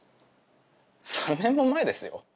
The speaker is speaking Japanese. ３年も前ですよ？